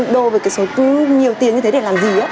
đô với cái số nhiều tiền như thế để làm gì